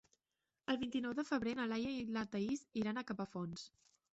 El vint-i-nou de febrer na Laia i na Thaís iran a Capafonts.